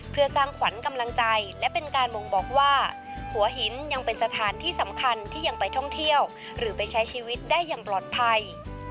เพื่อสร้างขวัญกำลังใจและเป็นการบ่งบอกว่าหัวหินยังเป็นสถานที่สำคัญที่ยังไปท่องเที่ยวหรือไปใช้ชีวิตได้อย่างปลอดภัย